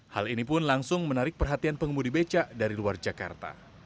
hal ini pun langsung menarik perhatian pengemudi becak dari luar jakarta